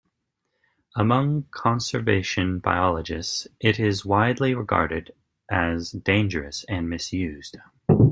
Among conservation biologists it is widely regarded as dangerous and misused.